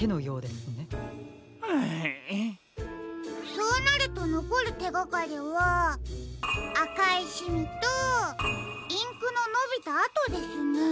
そうなるとのこるてがかりはあかいシミとインクののびたあとですね。